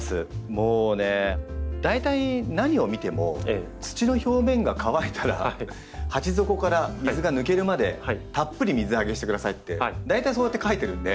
もうね大体何を見ても「土の表面が乾いたら鉢底から水が抜けるまでたっぷり水あげしてください」って大体そうやって書いてるんで。